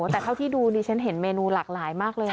แต่เท่าที่ดูดิฉันเห็นเมนูหลากหลายมากเลยนะ